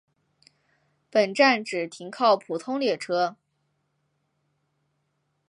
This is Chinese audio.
本站只停靠普通列车。